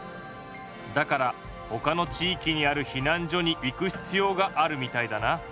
だからほかの地いきにある避難所に行くひつようがあるみたいだな。